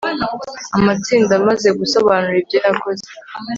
amatsinda amaze gusobanura ibyo yakoze